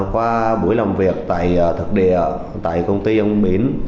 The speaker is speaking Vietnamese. quá buổi làm việc tại thực địa tại công ty ông biển